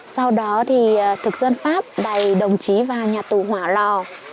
sau đó thì thực dân pháp đầy đồng chí vào nhà tù hỏa lò